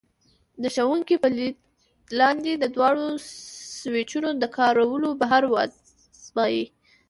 د ښوونکي په لید لاندې د دواړو سویچونو د کارولو بهیر وازمایئ.